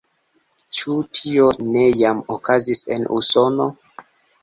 Ĉu tio ne jam okazis en Usono?